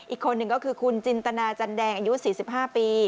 อีกคนหนึ่งก็คือคุณจินตนาจันแดงอายุ๔๕ปี